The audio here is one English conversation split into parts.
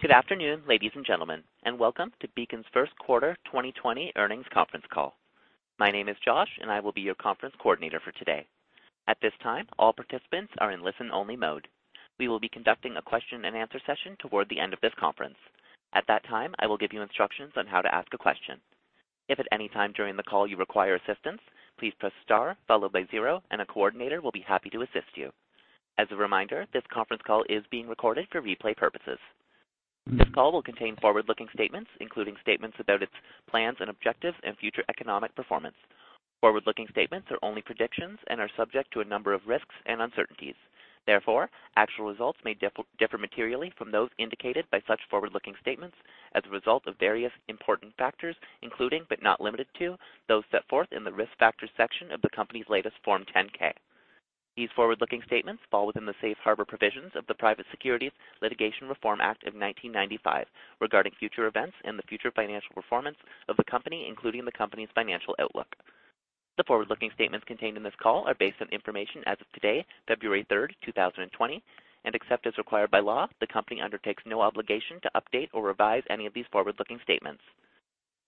Good afternoon, ladies and gentlemen, and welcome to Beacon's first quarter 2020 earnings conference call. My name is Josh, and I will be your conference coordinator for today. At this time, all participants are in listen-only mode. We will be conducting a question and answer session toward the end of this conference. At that time, I will give you instructions on how to ask a question. If at any time during the call you require assistance, please press star followed by zero, and a coordinator will be happy to assist you. As a reminder, this conference call is being recorded for replay purposes. This call will contain forward-looking statements, including statements about its plans and objectives and future economic performance. Forward-looking statements are only predictions and are subject to a number of risks and uncertainties. Actual results may differ materially from those indicated by such forward-looking statements as a result of various important factors, including but not limited to those set forth in the risk factors section of the company's latest Form 10-K. These forward-looking statements fall within the safe harbor provisions of the Private Securities Litigation Reform Act of 1995 regarding future events and the future financial performance of the company, including the company's financial outlook. The forward-looking statements contained in this call are based on information as of today, February 3rd, 2020. Except as required by law, the company undertakes no obligation to update or revise any of these forward-looking statements.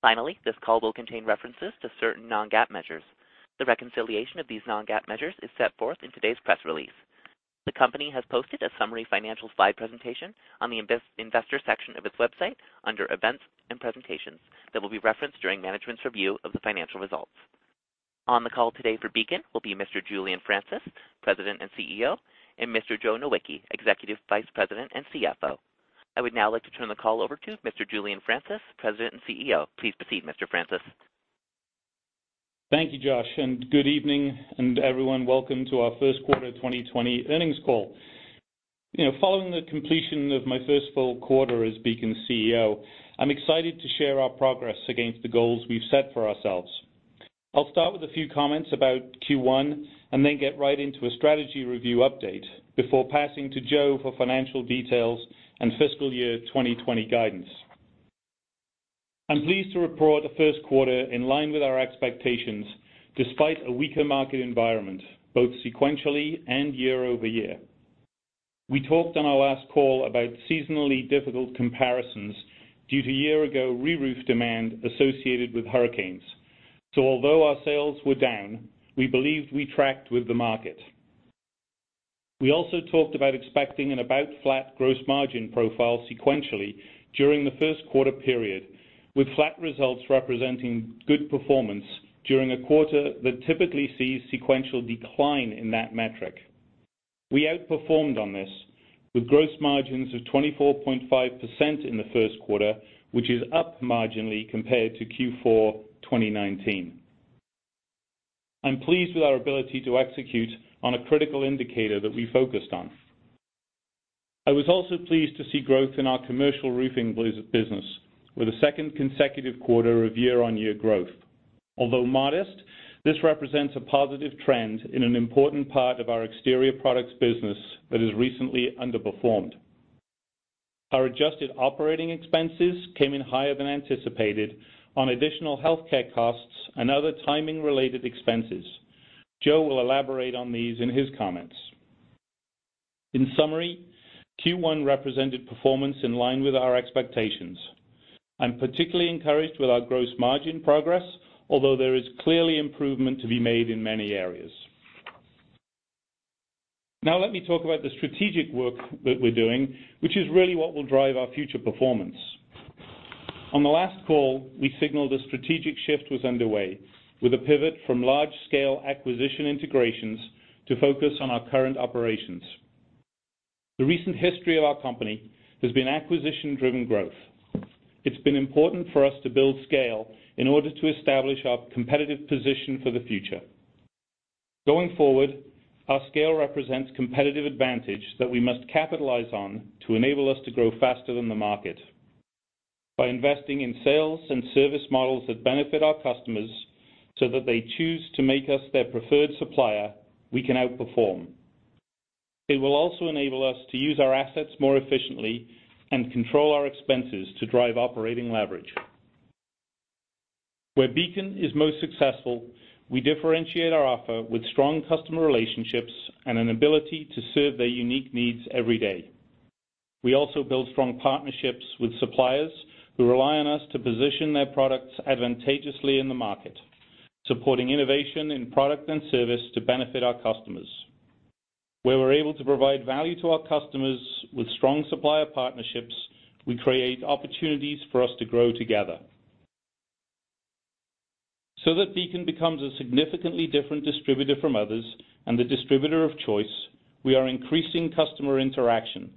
This call will contain references to certain non-GAAP measures. The reconciliation of these non-GAAP measures is set forth in today's press release. The company has posted a summary financial slide presentation on the Investor section of its website under events and presentations that will be referenced during management's review of the financial results. On the call today for Beacon will be Mr. Julian Francis, President and CEO, and Mr. Joe Nowicki, Executive Vice President and CFO. I would now like to turn the call over to Mr. Julian Francis, President and CEO. Please proceed, Mr. Francis. Thank you, Josh, and good evening, and everyone welcome to our first quarter 2020 earnings call. Following the completion of my first full quarter as Beacon's CEO, I'm excited to share our progress against the goals we've set for ourselves. I'll start with a few comments about Q1 and then get right into a strategy review update before passing to Joe for financial details on fiscal year 2020 guidance. I'm pleased to report the first quarter in line with our expectations, despite a weaker market environment, both sequentially and year-over-year. We talked on our last call about seasonally difficult comparisons due to year-ago reroof demand associated with hurricanes. Although our sales were down, we believed we tracked with the market. We also talked about expecting an about flat gross margin profile sequentially during the first quarter period, with flat results representing good performance during a quarter that typically sees sequential decline in that metric. We outperformed on this with gross margins of 24.5% in the first quarter, which is up marginally compared to Q4 2019. I'm pleased with our ability to execute on a critical indicator that we focused on. I was also pleased to see growth in our commercial roofing business with a second consecutive quarter of year-on-year growth. Although modest, this represents a positive trend in an important part of our exterior products business that has recently underperformed. Our adjusted operating expenses came in higher than anticipated on additional healthcare costs and other timing-related expenses. Joe will elaborate on these in his comments. In summary, Q1 represented performance in line with our expectations. I'm particularly encouraged with our gross margin progress, although there is clearly improvement to be made in many areas. Let me talk about the strategic work that we're doing, which is really what will drive our future performance. On the last call, we signaled a strategic shift was underway with a pivot from large-scale acquisition integrations to focus on our current operations. The recent history of our company has been acquisition-driven growth. It's been important for us to build scale in order to establish our competitive position for the future. Going forward, our scale represents competitive advantage that we must capitalize on to enable us to grow faster than the market. By investing in sales and service models that benefit our customers so that they choose to make us their preferred supplier, we can outperform. It will also enable us to use our assets more efficiently and control our expenses to drive operating leverage. Where Beacon is most successful, we differentiate our offer with strong customer relationships and an ability to serve their unique needs every day. We also build strong partnerships with suppliers who rely on us to position their products advantageously in the market, supporting innovation in product and service to benefit our customers. Where we're able to provide value to our customers with strong supplier partnerships, we create opportunities for us to grow together. That Beacon becomes a significantly different distributor from others and the distributor of choice, we are increasing customer interaction,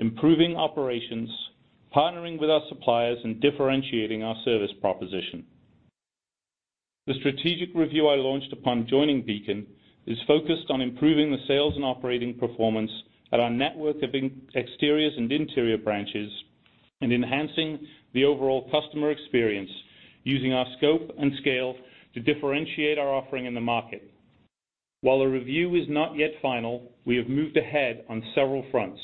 improving operations, partnering with our suppliers, and differentiating our service proposition. The strategic review I launched upon joining Beacon is focused on improving the sales and operating performance at our network of exteriors and interior branches and enhancing the overall customer experience using our scope and scale to differentiate our offering in the market. While the review is not yet final, we have moved ahead on several fronts.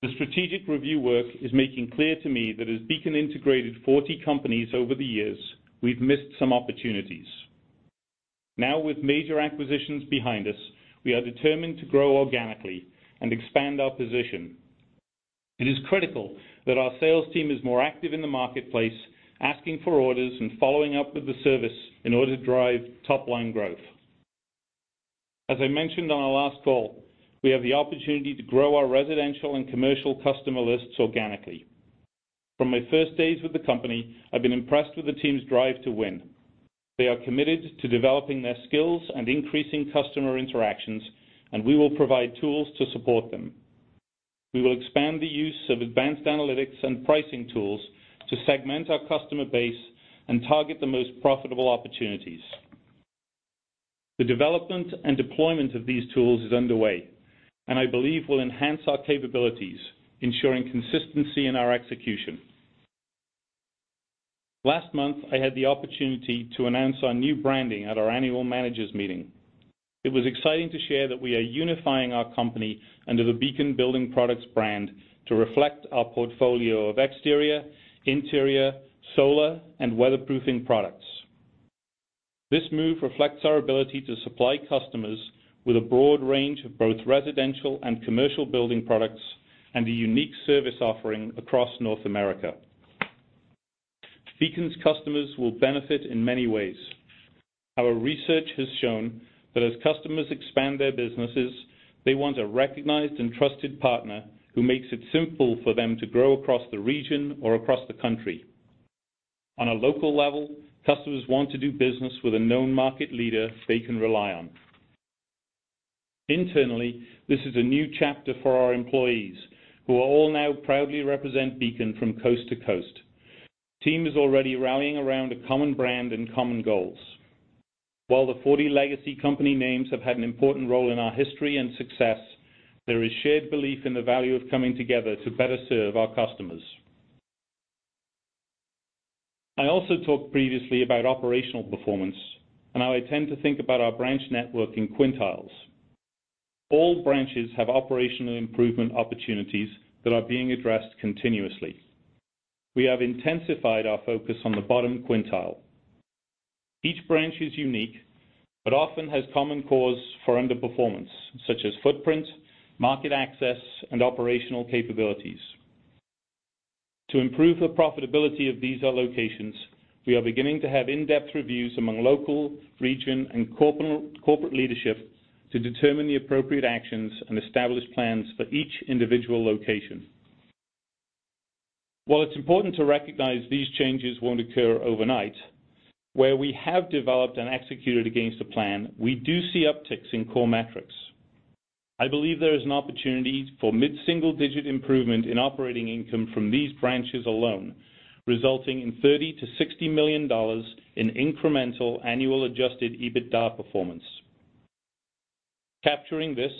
The strategic review work is making clear to me that as Beacon integrated 40 companies over the years, we've missed some opportunities. Now, with major acquisitions behind us, we are determined to grow organically and expand our position. It is critical that our sales team is more active in the marketplace, asking for orders, and following up with the service in order to drive top-line growth. As I mentioned on our last call, we have the opportunity to grow our residential and commercial customer lists organically. From my first days with the company, I've been impressed with the team's drive to win. They are committed to developing their skills and increasing customer interactions, and we will provide tools to support them. We will expand the use of advanced analytics and pricing tools to segment our customer base and target the most profitable opportunities. The development and deployment of these tools is underway, and I believe will enhance our capabilities, ensuring consistency in our execution. Last month, I had the opportunity to announce our new branding at our annual managers meeting. It was exciting to share that we are unifying our company under the Beacon Building Products brand to reflect our portfolio of exterior, interior, solar, and weatherproofing products. This move reflects our ability to supply customers with a broad range of both residential and commercial building products and a unique service offering across North America. Beacon's customers will benefit in many ways. Our research has shown that as customers expand their businesses, they want a recognized and trusted partner who makes it simple for them to grow across the region or across the country. On a local level, customers want to do business with a known market leader they can rely on. Internally, this is a new chapter for our employees, who will all now proudly represent Beacon from coast to coast. Team is already rallying around a common brand and common goals. While the 40 legacy company names have had an important role in our history and success, there is shared belief in the value of coming together to better serve our customers. I also talked previously about operational performance and how I tend to think about our branch network in quintiles. All branches have operational improvement opportunities that are being addressed continuously. We have intensified our focus on the bottom quintile. Each branch is unique, but often has common cause for underperformance, such as footprint, market access, and operational capabilities. To improve the profitability of these locations, we are beginning to have in-depth reviews among local, region, and corporate leadership to determine the appropriate actions and establish plans for each individual location. While it's important to recognize these changes won't occur overnight, where we have developed and executed against the plan, we do see upticks in core metrics. I believe there is an opportunity for mid-single-digit improvement in operating income from these branches alone, resulting in $30 million-$60 million in incremental annual adjusted EBITDA performance. Capturing this,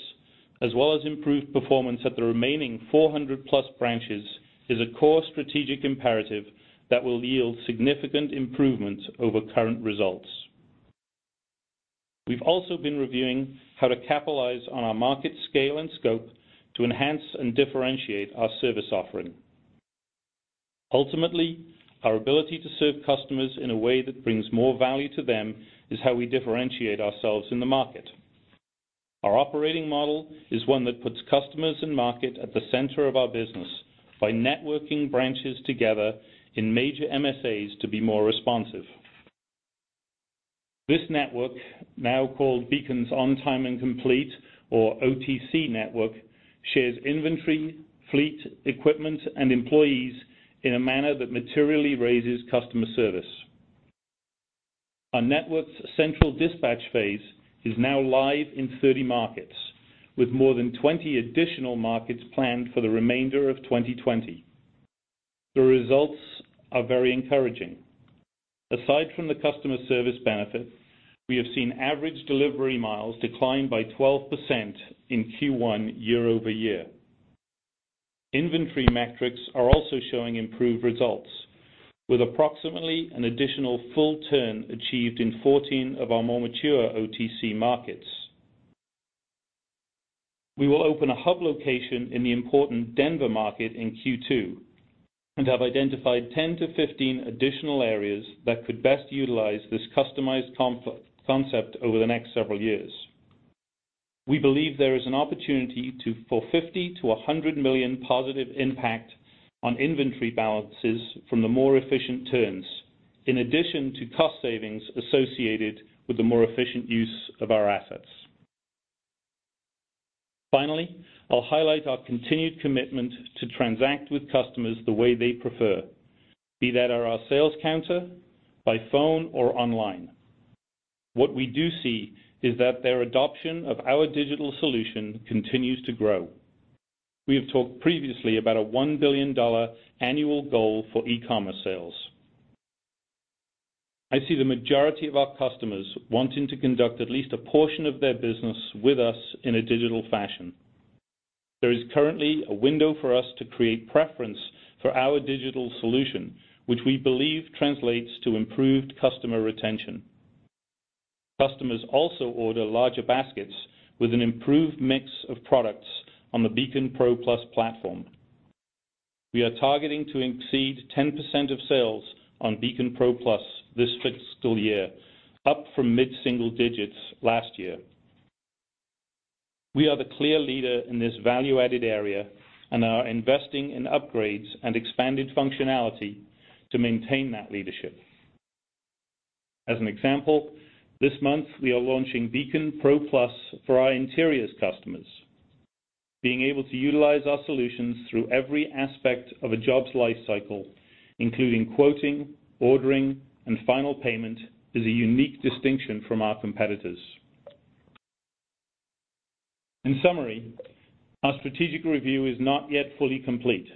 as well as improved performance at the remaining 400+ branches, is a core strategic imperative that will yield significant improvements over current results. We've also been reviewing how to capitalize on our market scale and scope to enhance and differentiate our service offering. Ultimately, our ability to serve customers in a way that brings more value to them is how we differentiate ourselves in the market. Our operating model is one that puts customers and market at the center of our business by networking branches together in major MSAs to be more responsive. This network, now called Beacon's On-Time and Complete, or OTC network, shares inventory, fleet, equipment, and employees in a manner that materially raises customer service. Our network's central dispatch phase is now live in 30 markets, with more than 20 additional markets planned for the remainder of 2020. The results are very encouraging. Aside from the customer service benefits, we have seen average delivery miles decline by 12% in Q1 year-over-year. Inventory metrics are also showing improved results, with approximately an additional full turn achieved in 14 of our more mature OTC markets. We will open a hub location in the important Denver market in Q2 and have identified 10-15 additional areas that could best utilize this customized concept over the next several years. We believe there is an opportunity for a $50 million-$100 million positive impact on inventory balances from the more efficient turns, in addition to cost savings associated with the more efficient use of our assets. Finally, I'll highlight our continued commitment to transact with customers the way they prefer, be that at our sales counter, by phone, or online. What we do see is that their adoption of our digital solution continues to grow. We have talked previously about a $1 billion annual goal for e-commerce sales. I see the majority of our customers wanting to conduct at least a portion of their business with us in a digital fashion. There is currently a window for us to create preference for our digital solution, which we believe translates to improved customer retention. Customers also order larger baskets with an improved mix of products on the Beacon PRO+ platform. We are targeting to exceed 10% of sales on Beacon PRO+ this fiscal year, up from mid-single digits last year. We are the clear leader in this value-added area and are investing in upgrades and expanded functionality to maintain that leadership. As an example, this month, we are launching Beacon PRO+ for our interiors customers. Being able to utilize our solutions through every aspect of a job's life cycle, including quoting, ordering, and final payment, is a unique distinction from our competitors. In summary, our strategic review is not yet fully complete,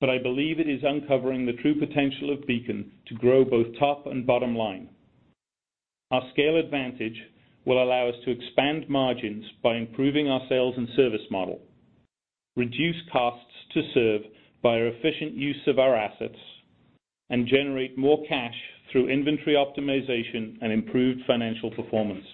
but I believe it is uncovering the true potential of Beacon to grow both top and bottom line. Our scale advantage will allow us to expand margins by improving our sales and service model, reduce costs to serve by our efficient use of our assets, and generate more cash through inventory optimization and improved financial performance.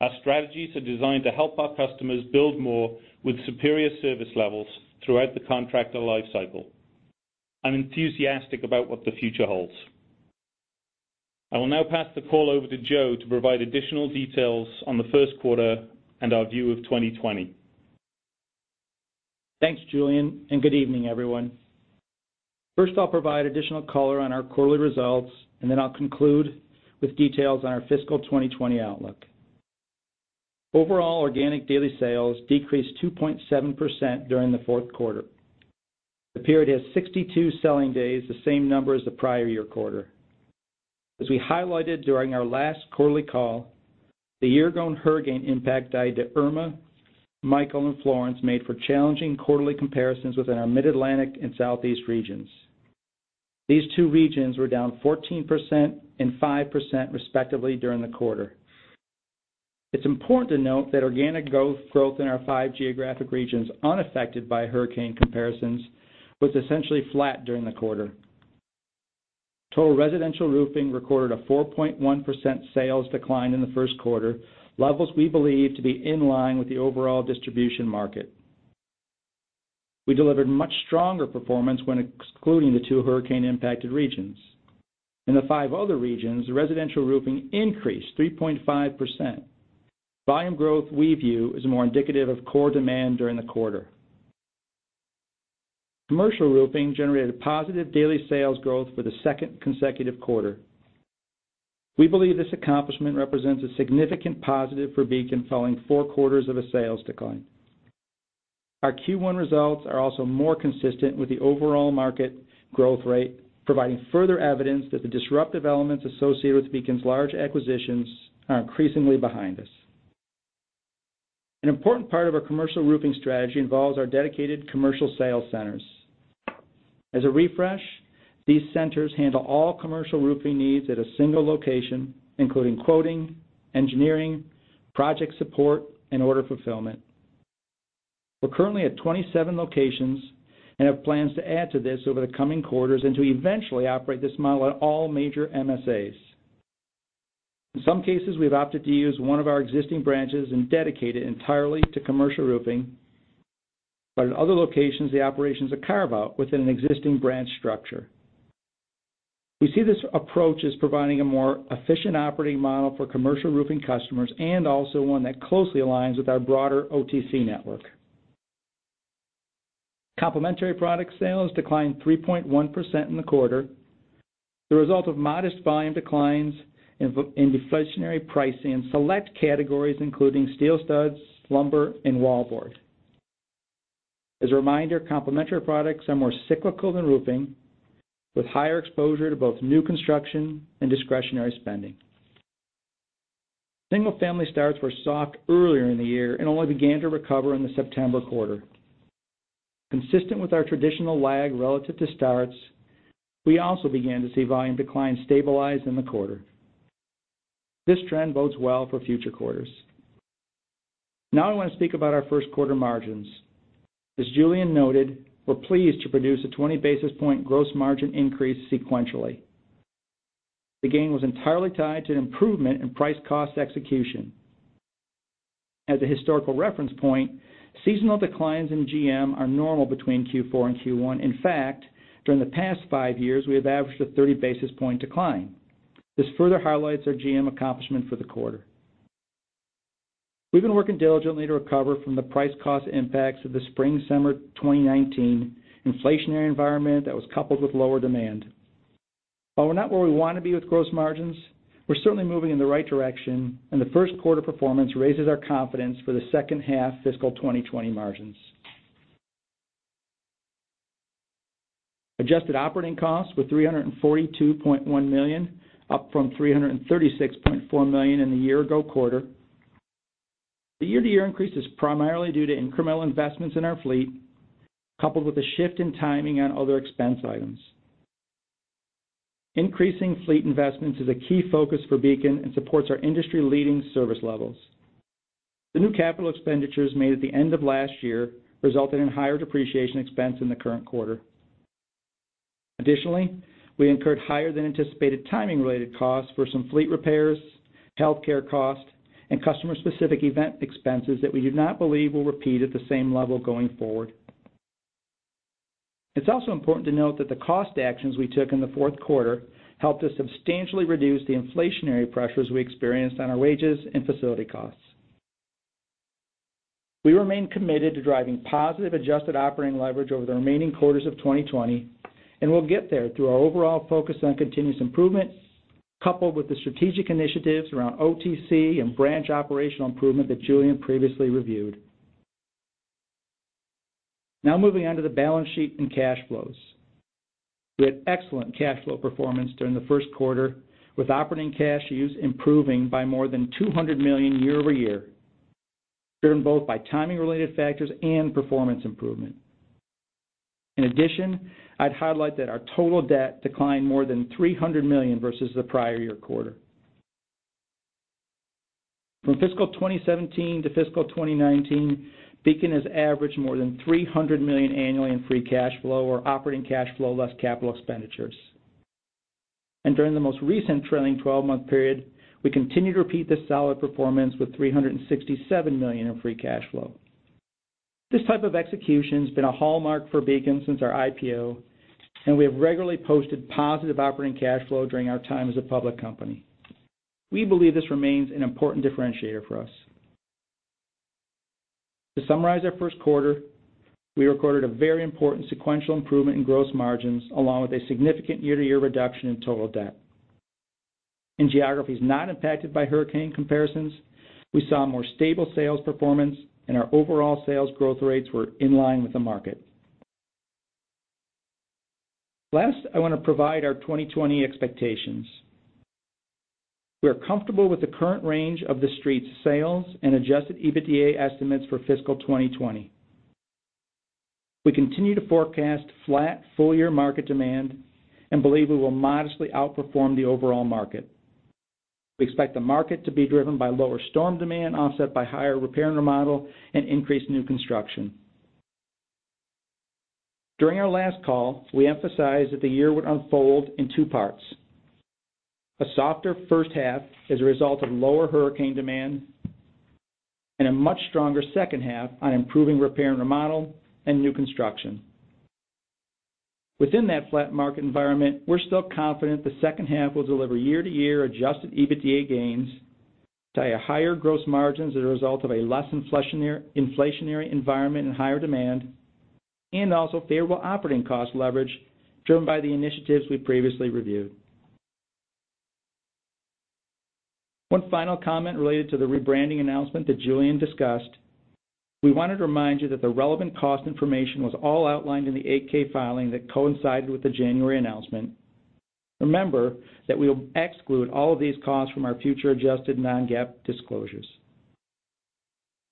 Our strategies are designed to help our customers build more with superior service levels throughout the contractor life cycle. I'm enthusiastic about what the future holds. I will now pass the call over to Joe to provide additional details on the first quarter and our view of 2020. Thanks, Julian. Good evening, everyone. First, I'll provide additional color on our quarterly results, and then I'll conclude with details on our fiscal 2020 outlook. Overall organic daily sales decreased 2.7% during the fourth quarter. The period has 62 selling days, the same number as the prior year quarter. As we highlighted during our last quarterly call, the year-ago hurricane impact by the Irma, Michael, and Florence made for challenging quarterly comparisons within our Mid-Atlantic and Southeast regions. These two regions were down 14% and 5% respectively during the quarter. It's important to note that organic growth in our five geographic regions unaffected by hurricane comparisons was essentially flat during the quarter. Total residential roofing recorded a 4.1% sales decline in the first quarter, levels we believe to be in line with the overall distribution market. We delivered much stronger performance when excluding the two hurricane-impacted regions. In the five other regions, the residential roofing increased 3.5%. Volume growth, we view, is more indicative of core demand during the quarter. Commercial roofing generated positive daily sales growth for the second consecutive quarter. We believe this accomplishment represents a significant positive for Beacon following four quarters of a sales decline. Our Q1 results are also more consistent with the overall market growth rate, providing further evidence that the disruptive elements associated with Beacon's large acquisitions are increasingly behind us. An important part of our commercial roofing strategy involves our dedicated commercial sales centers. As a refresh, these centers handle all commercial roofing needs at a single location, including quoting, engineering, project support, and order fulfillment. We're currently at 27 locations and have plans to add to this over the coming quarters and to eventually operate this model at all major MSAs. In some cases, we've opted to use one of our existing branches and dedicate it entirely to commercial roofing. In other locations, the operations are carve-out within an existing branch structure. We see this approach as providing a more efficient operating model for commercial roofing customers and also one that closely aligns with our broader OTC network. Complementary product sales declined 3.1% in the quarter, the result of modest volume declines in deflationary pricing in select categories, including steel studs, lumber, and wallboard. As a reminder, complementary products are more cyclical than roofing, with higher exposure to both new construction and discretionary spending. Single family starts were stuck earlier in the year and only began to recover in the September quarter. Consistent with our traditional lag relative to starts, we also began to see volume declines stabilize in the quarter. This trend bodes well for future quarters. Now I want to speak about our first quarter margins. As Julian noted, we're pleased to produce a 20-basis-point gross margin increase sequentially. The gain was entirely tied to an improvement in price-cost execution. As a historical reference point, seasonal declines in GM are normal between Q4 and Q1. In fact, during the past five years, we have averaged a 30-basis-point decline. This further highlights our GM accomplishment for the quarter. We've been working diligently to recover from the price-cost impacts of the spring, summer 2019 inflationary environment that was coupled with lower demand. While we're not where we want to be with gross margins, we're certainly moving in the right direction, and the first quarter performance raises our confidence for the second half fiscal 2020 margins. Adjusted operating costs were $342.1 million, up from $336.4 million in the year-ago quarter. The year-to-year increase is primarily due to incremental investments in our fleet, coupled with a shift in timing on other expense items. Increasing fleet investments is a key focus for Beacon and supports our industry-leading service levels. The new capital expenditures made at the end of last year resulted in higher depreciation expense in the current quarter. Additionally, we incurred higher than anticipated timing related costs for some fleet repairs, healthcare costs, and customer specific event expenses that we do not believe will repeat at the same level going forward. It's also important to note that the cost actions we took in the fourth quarter helped us substantially reduce the inflationary pressures we experienced on our wages and facility costs. We remain committed to driving positive adjusted operating leverage over the remaining quarters of 2020, we'll get there through our overall focus on continuous improvement, coupled with the strategic initiatives around OTC and branch operational improvement that Julian previously reviewed. Moving on to the balance sheet and cash flows. We had excellent cash flow performance during the first quarter, with operating cash use improving by more than $200 million year-over-year, driven both by timing related factors and performance improvement. I'd highlight that our total debt declined more than $300 million versus the prior year quarter. From fiscal 2017 to fiscal 2019, Beacon has averaged more than $300 million annually in free cash flow or operating cash flow less capital expenditures. During the most recent trailing 12-month period, we continue to repeat this solid performance with $367 million in free cash flow. This type of execution's been a hallmark for Beacon since our IPO, and we have regularly posted positive operating cash flow during our time as a public company. We believe this remains an important differentiator for us. To summarize our first quarter, we recorded a very important sequential improvement in gross margins, along with a significant year-to-year reduction in total debt. In geographies not impacted by hurricane comparisons, we saw more stable sales performance and our overall sales growth rates were in line with the market. Last, I want to provide our 2020 expectations. We are comfortable with the current range of the street sales and adjusted EBITDA estimates for fiscal 2020. We continue to forecast flat full-year market demand and believe we will modestly outperform the overall market. We expect the market to be driven by lower storm demand, offset by higher repair and remodel and increased new construction. During our last call, we emphasized that the year would unfold in two parts. A softer first half as a result of lower hurricane demand, and a much stronger second half on improving repair and remodel and new construction. Within that flat market environment, we're still confident the second half will deliver year-to-year adjusted EBITDA gains via higher gross margins as a result of a less inflationary environment and higher demand, and also favorable operating cost leverage driven by the initiatives we previously reviewed. One final comment related to the rebranding announcement that Julian discussed. We wanted to remind you that the relevant cost information was all outlined in the 8-K filing that coincided with the January announcement. Remember that we'll exclude all of these costs from our future adjusted non-GAAP disclosures.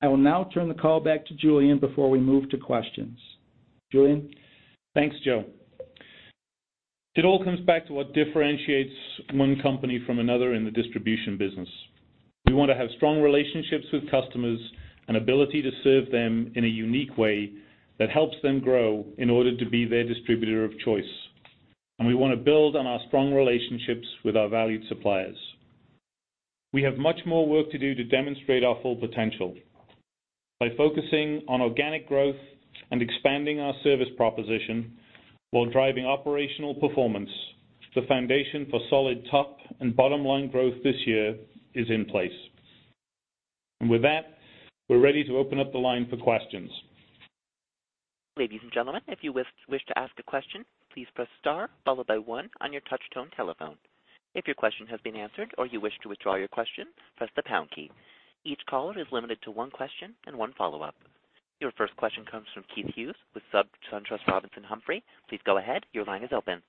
I will now turn the call back to Julian before we move to questions. Julian? Thanks, Joe. It all comes back to what differentiates one company from another in the distribution business. We want to have strong relationships with customers and ability to serve them in a unique way that helps them grow in order to be their distributor of choice. We want to build on our strong relationships with our valued suppliers. We have much more work to do to demonstrate our full potential. By focusing on organic growth and expanding our service proposition while driving operational performance, the foundation for solid top and bottom line growth this year is in place. With that, we're ready to open up the line for questions. Ladies and gentlemen, if you wish to ask a question, please press star followed by one on your touch-tone telephone. If your question has been answered or you wish to withdraw your question, press the pound key. Each caller is limited to one question and one follow-up. Your first question comes from Keith Hughes with SunTrust Robinson Humphrey. Please go ahead. Your line is open.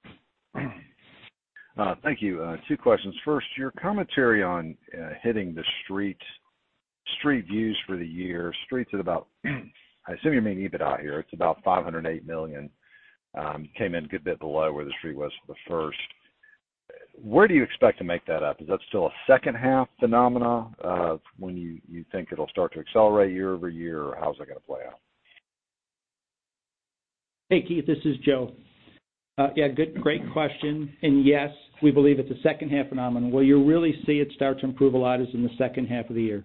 Thank you. Two questions. First, your commentary on hitting the street views for the year. Street's at about, I assume you mean EBITDA here, it's about $508 million. Came in a good bit below where the street was for the first. Where do you expect to make that up? Is that still a second half phenomena of when you think it'll start to accelerate year-over-year? How's that going to play out? Hey, Keith, this is Joe. Yeah, great question. Yes, we believe it's a second half phenomenon. Where you really see it start to improve a lot is in the second half of the year.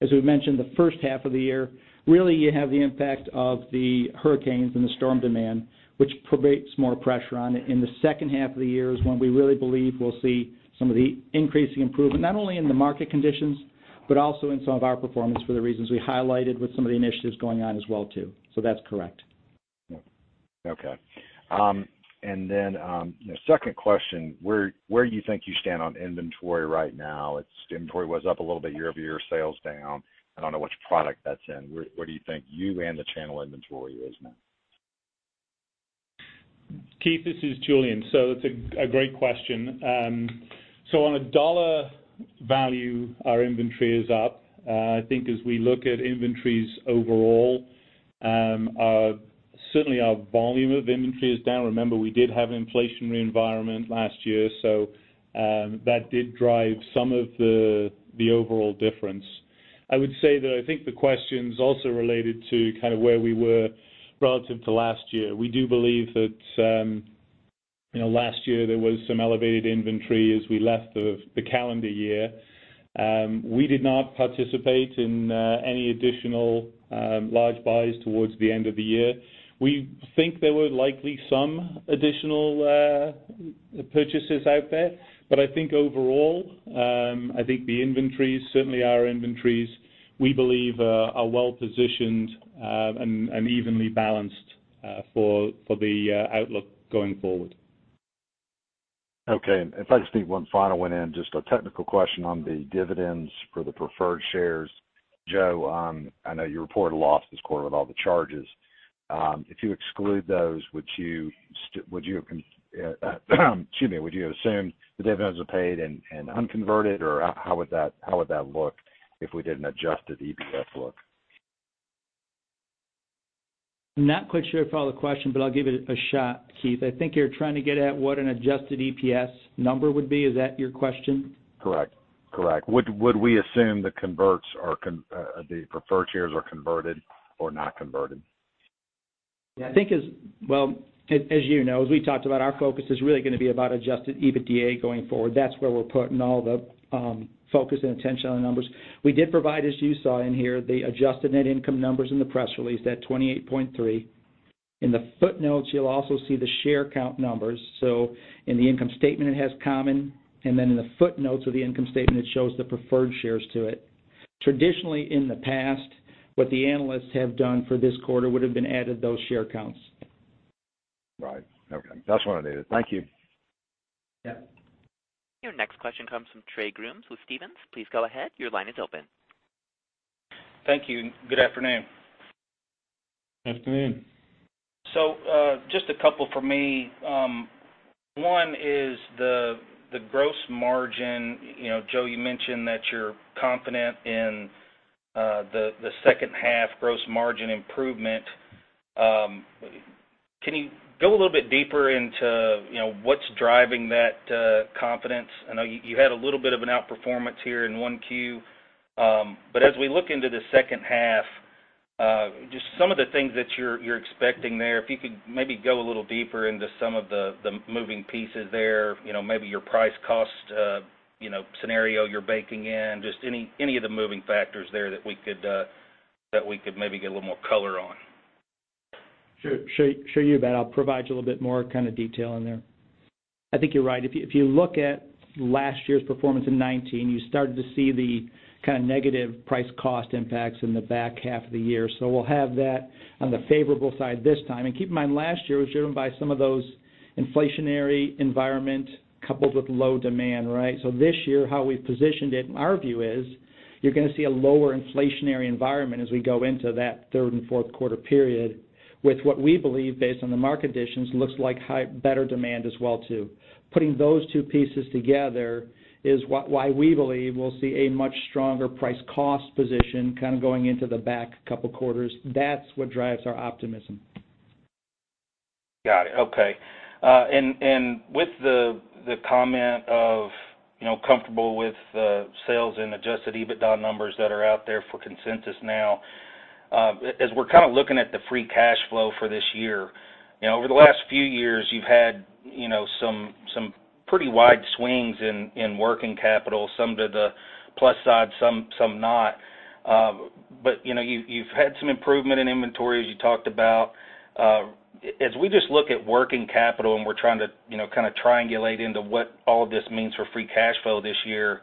As we've mentioned, the first half of the year, really you have the impact of the hurricanes and the storm demand, which puts more pressure on it. In the second half of the year is when we really believe we'll see some of the increasing improvement, not only in the market conditions, but also in some of our performance for the reasons we highlighted with some of the initiatives going on as well too. That's correct. Okay. Second question. Where do you think you stand on inventory right now? Inventory was up a little bit year-over-year, sales down. I don't know which product that's in. Where do you think you and the channel inventory is now? Keith, this is Julian. That's a great question. On a dollar value, our inventory is up. I think as we look at inventories overall, certainly our volume of inventory is down. Remember, we did have an inflationary environment last year, so that did drive some of the overall difference. I would say that I think the question's also related to where we were relative to last year. We do believe that last year there was some elevated inventory as we left the calendar year. We did not participate in any additional large buys towards the end of the year. We think there were likely some additional purchases out there. I think overall, I think the inventories, certainly our inventories, we believe, are well-positioned, and evenly balanced for the outlook going forward. Okay, if I just need one final one in, just a technical question on the dividends for the preferred shares. Joe, I know you reported a loss this quarter with all the charges. If you exclude those, would you assume the dividends are paid and unconverted, or how would that look if we did an adjusted EPS look? I'm not quite sure I follow the question, but I'll give it a shot, Keith. I think you're trying to get at what an adjusted EPS number would be. Is that your question? Correct. Would we assume the preferred shares are converted or not converted? Well, as you know, as we talked about, our focus is really going to be about adjusted EBITDA going forward. That's where we're putting all the focus and attention on the numbers. We did provide, as you saw in here, the adjusted net income numbers in the press release, that $28.3. In the footnotes, you'll also see the share count numbers. In the income statement, it has common, and then in the footnotes of the income statement, it shows the preferred shares to it. Traditionally, in the past, what the analysts have done for this quarter would've been added those share counts. Right. Okay. That's what I needed. Thank you. Your next question comes from Trey Grooms with Stephens. Please go ahead. Your line is open. Thank you. Good afternoon. Afternoon. Just a couple from me. One is the gross margin. Joe, you mentioned that you're confident in the second half gross margin improvement. Can you go a little bit deeper into what's driving that confidence? I know you had a little bit of an outperformance here in 1Q. As we look into the second half, just some of the things that you're expecting there, if you could maybe go a little deeper into some of the moving pieces there, maybe your price cost scenario you're baking in, just any of the moving factors there that we could maybe get a little more color on. Sure, I'll provide you a little bit more kind of detail in there. I think you're right. If you look at last year's performance in 2019, you started to see the kind of negative price cost impacts in the back half of the year. We'll have that on the favorable side this time. Keep in mind, last year was driven by some of those inflationary environment coupled with low demand, right? This year, how we've positioned it and our view is you're going to see a lower inflationary environment as we go into that third and fourth quarter period with what we believe based on the market conditions, looks like better demand as well too. Putting those two pieces together is why we believe we'll see a much stronger price cost position kind of going into the back couple quarters. That's what drives our optimism. Got it. Okay. With the comment of comfortable with the sales and adjusted EBITDA numbers that are out there for consensus now, as we're kind of looking at the free cash flow for this year, over the last few years you've had some pretty wide swings in working capital, some to the plus side, some not. You've had some improvement in inventory as you talked about. As we just look at working capital and we're trying to kind of triangulate into what all of this means for free cash flow this year,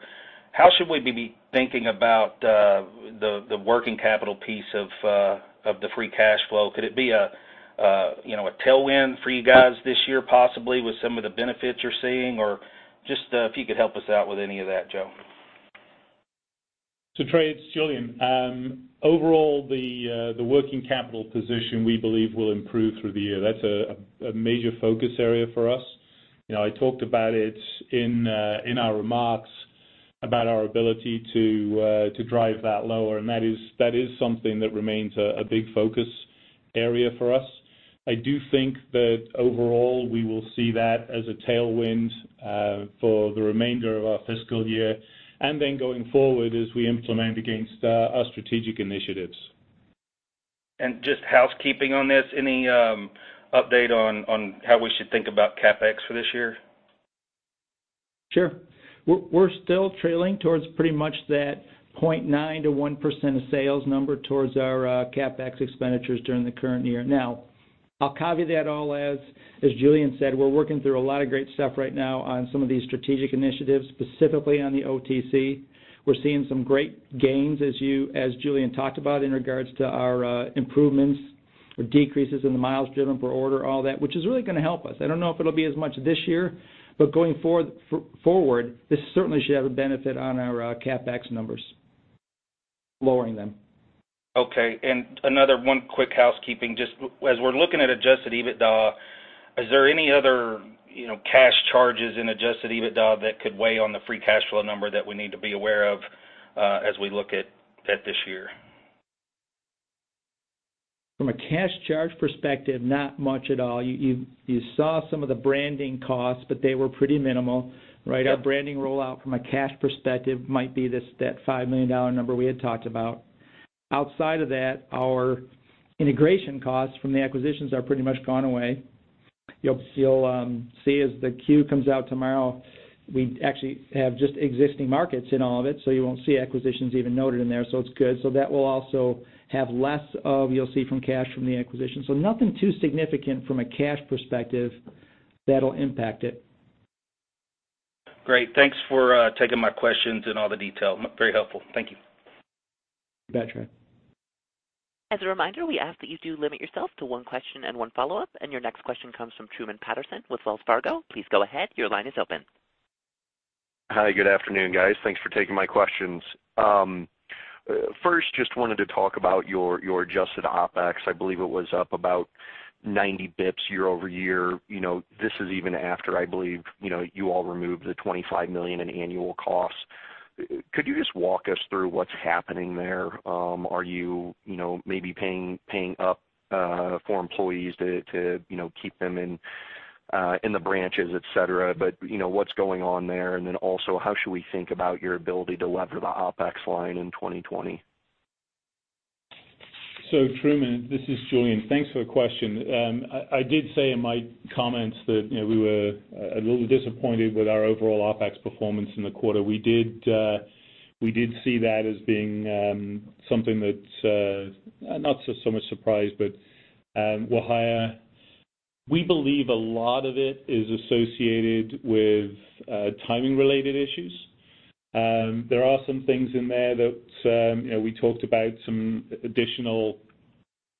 how should we be thinking about the working capital piece of the free cash flow? Could it be a tailwind for you guys this year, possibly with some of the benefits you're seeing? Just if you could help us out with any of that, Joe. Trey, it's Julian. Overall, the working capital position we believe will improve through the year. That's a major focus area for us. I talked about it in our remarks about our ability to drive that lower, and that is something that remains a big focus area for us. I do think that overall we will see that as a tailwind for the remainder of our fiscal year, and then going forward as we implement against our strategic initiatives. Just housekeeping on this, any update on how we should think about CapEx for this year? Sure. We're still trailing towards pretty much that 0.9%-1% of sales number towards our CapEx expenditures during the current year. I'll caveat that all as Julian said, we're working through a lot of great stuff right now on some of these strategic initiatives, specifically on the OTC. We're seeing some great gains as Julian talked about in regards to our improvements or decreases in the miles driven per order, all that, which is really going to help us. I don't know if it'll be as much this year, going forward, this certainly should have a benefit on our CapEx numbers, lowering them. Okay, another one quick housekeeping, just as we're looking at adjusted EBITDA, is there any other cash charges in adjusted EBITDA that could weigh on the free cash flow number that we need to be aware of as we look at this? From a cash charge perspective, not much at all. You saw some of the branding costs, but they were pretty minimal, right? Our branding rollout from a cash perspective might be that $5 million number we had talked about. Outside of that, our integration costs from the acquisitions are pretty much gone away. You'll see as the Q comes out tomorrow, we actually have just existing markets in all of it, so you won't see acquisitions even noted in there. It's good. That will also have less of, you'll see from cash from the acquisition. Nothing too significant from a cash perspective that'll impact it. Great. Thanks for taking my questions and all the detail. Very helpful. Thank you. You bet, Trey. As a reminder, we ask that you do limit yourself to one question and one follow-up. Your next question comes from Truman Patterson with Wells Fargo. Please go ahead. Your line is open. Hi. Good afternoon, guys. Thanks for taking my questions. First, just wanted to talk about your adjusted OpEx. I believe it was up about 90 basis points year-over-year. This is even after, I believe, you all removed the $25 million in annual costs. Could you just walk us through what's happening there? Are you maybe paying up for employees to keep them in the branches, et cetera? What's going on there? How should we think about your ability to lever the OpEx line in 2020? Truman, this is Julian. Thanks for the question. I did say in my comments that we were a little disappointed with our overall OpEx performance in the quarter. We did see that as being something that's not so much surprise, but were higher. We believe a lot of it is associated with timing-related issues. There are some things in there that we talked about some additional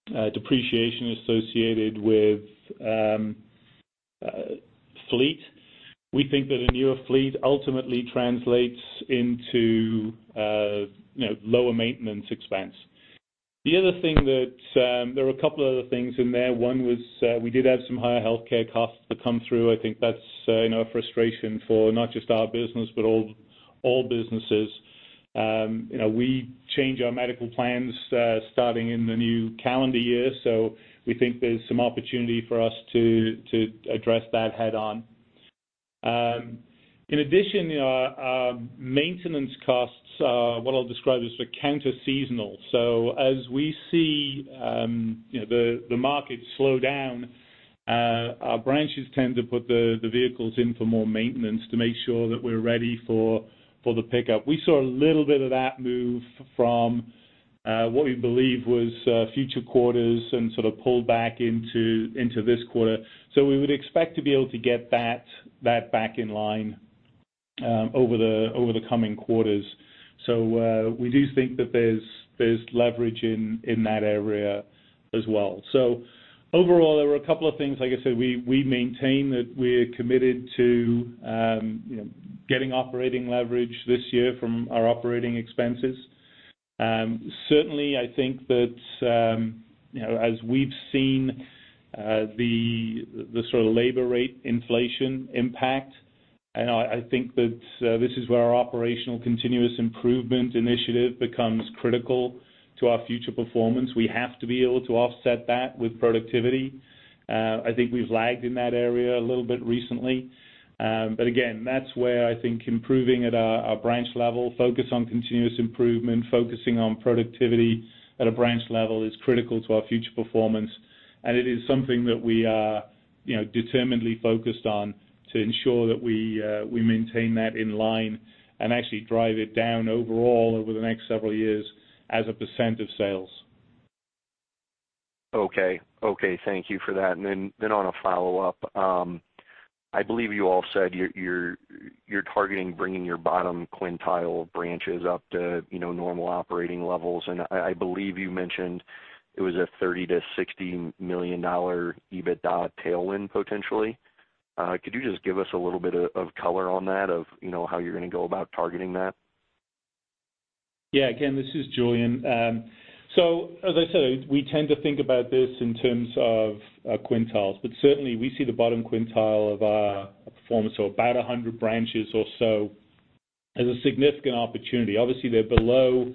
depreciation associated with fleet. We think that a newer fleet ultimately translates into lower maintenance expense. There were a couple other things in there. One was we did have some higher healthcare costs that come through. I think that's a frustration for not just our business, but all businesses. We change our medical plans starting in the new calendar year, so we think there's some opportunity for us to address that head-on. In addition, our maintenance costs are what I'll describe as counter seasonal. As we see the market slow down, our branches tend to put the vehicles in for more maintenance to make sure that we're ready for the pickup. We saw a little bit of that move from what we believe was future quarters and sort of pull back into this quarter. We would expect to be able to get that back in line over the coming quarters. We do think that there's leverage in that area as well. Overall, there were a couple of things. Like I said, we maintain that we're committed to getting operating leverage this year from our operating expenses. Certainly, I think that as we've seen the sort of labor rate inflation impact, I think that this is where our operational continuous improvement initiative becomes critical to our future performance. We have to be able to offset that with productivity. I think we've lagged in that area a little bit recently. Again, that's where I think improving at a branch level, focus on continuous improvement, focusing on productivity at a branch level is critical to our future performance. It is something that we are determinedly focused on to ensure that we maintain that in line and actually drive it down overall over the next several years as a percent of sales. Okay. Thank you for that. Then on a follow-up, I believe you all said you're targeting bringing your bottom quintile branches up to normal operating levels, I believe you mentioned it was a $30 million-$60 million EBITDA tailwind potentially. Could you just give us a little bit of color on that, of how you're going to go about targeting that? Again, this is Julian. As I said, we tend to think about this in terms of quintiles. Certainly we see the bottom quintile of our performance, so about 100 branches or so, as a significant opportunity. Obviously, they're below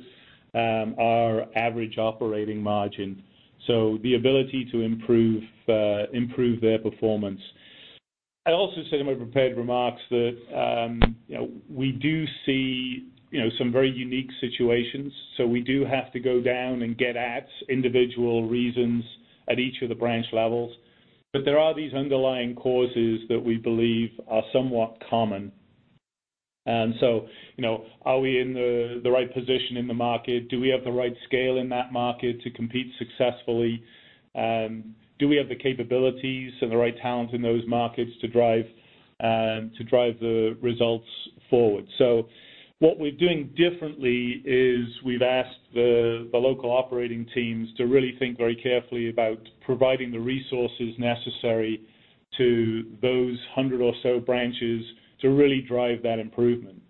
our average operating margin. The ability to improve their performance. I also said in my prepared remarks that we do see some very unique situations. We do have to go down and get at individual reasons at each of the branch levels. There are these underlying causes that we believe are somewhat common. Are we in the right position in the market? Do we have the right scale in that market to compete successfully? Do we have the capabilities and the right talent in those markets to drive the results forward? What we're doing differently is we've asked the local operating teams to really think very carefully about providing the resources necessary to those 100 or so branches to really drive that improvement.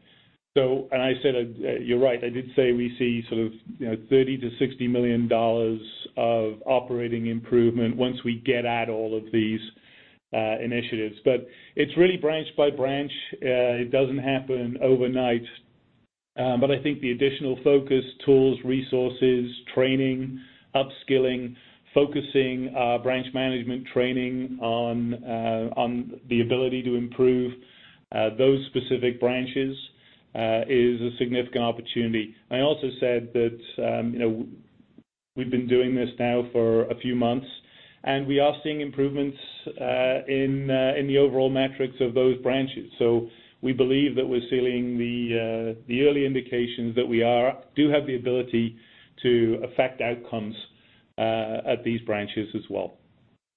I said, you're right, I did say we see sort of $30 million-$60 million of operating improvement once we get at all of these initiatives. It's really branch by branch. It doesn't happen overnight. I think the additional focus, tools, resources, training, upskilling, focusing our branch management training on the ability to improve those specific branches is a significant opportunity. I also said that we've been doing this now for a few months, and we are seeing improvements in the overall metrics of those branches. We believe that we're seeing the early indications that we do have the ability to affect outcomes at these branches as well.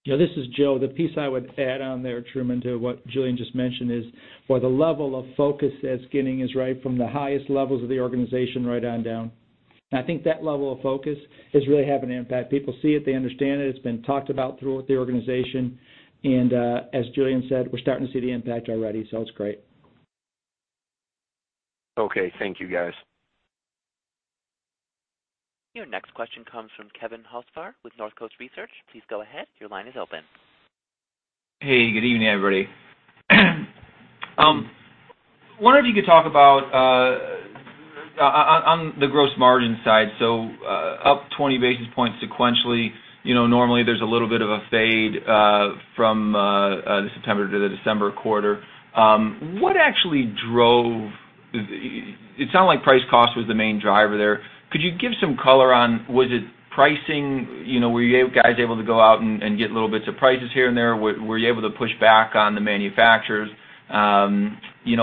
Yeah, this is Joe. The piece I would add on there, Truman, to what Julian just mentioned is, while the level of focus that's getting is right from the highest levels of the organization right on down. I think that level of focus is really having an impact. People see it. They understand it. It's been talked about throughout the organization, and as Julian said, we're starting to see the impact already, so it's great. Okay. Thank you, guys. Your next question comes from Kevin Hocevar with Northcoast Research. Please go ahead. Your line is open. Hey, good evening, everybody. Wondering if you could talk about on the gross margin side, up 20 basis points sequentially. Normally there's a little bit of a fade from the September to the December quarter. It sounded like price cost was the main driver there. Could you give some color on, was it pricing? Were you guys able to go out and get little bits of prices here and there? Were you able to push back on the manufacturers? What